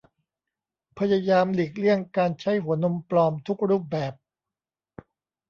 พยายามหลีกเลี่ยงการใช้หัวนมปลอมทุกรูปแบบ